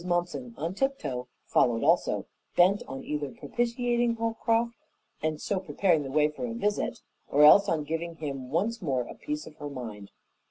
Mumpson, on tiptoe, followed also, bent on either propitiating Holcroft and so preparing the way for a visit, or else on giving him once more a "piece of her mind."